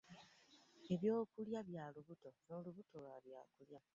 Ebyokulya bya lubuto n'olubuto lwa byakulya.